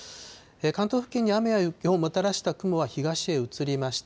関東付近に雨をもたらした雲は東へ移りました。